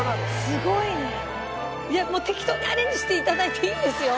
「すごいね」いや適当にアレンジして頂いていいんですよ